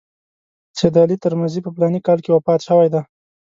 سید علي ترمذي په فلاني کال کې وفات شوی دی.